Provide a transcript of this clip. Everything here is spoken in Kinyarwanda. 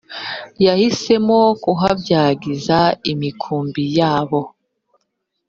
yahisemo kuhabyagiza imikumbi yabo